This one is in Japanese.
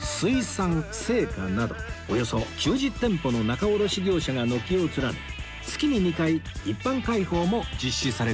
水産青果などおよそ９０店舗の仲卸業者が軒を連ね月に２回一般開放も実施されています